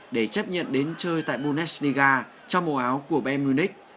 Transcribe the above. để chấp nhận đến chơi tại bundesliga trong màu áo của bayern munich